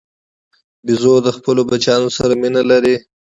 بیزو د خپلو بچیانو سره مینه لري.